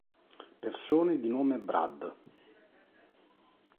Persone di nome Brad